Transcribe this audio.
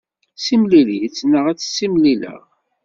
Simlil-itt neɣ ad tt-simlileɣ.